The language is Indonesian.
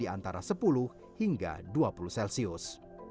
di antara sepuluh hingga dua puluh celsius